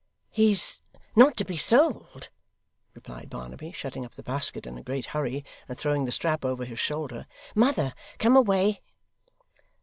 'He's not to be sold,' replied Barnaby, shutting up the basket in a great hurry, and throwing the strap over his shoulder. 'Mother, come away.